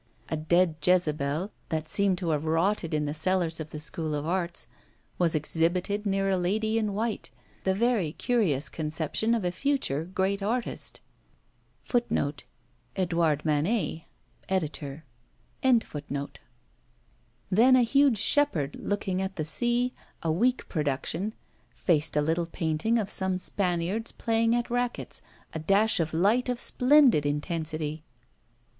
A dead Jezabel, that seemed to have rotted in the cellars of the School of Arts, was exhibited near a lady in white, the very curious conception of a future great artist*; then a huge shepherd looking at the sea, a weak production, faced a little painting of some Spaniards playing at rackets, a dash of light of splendid intensity.